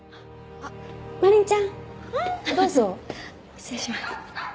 失礼します。